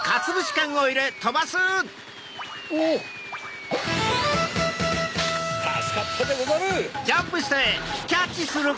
たすかったでござる！